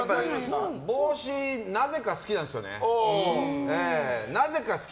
帽子、なぜか好きなんですよね。